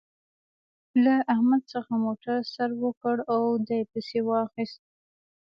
له احمد څخه موتر سر وکړ او دې پسې واخيست.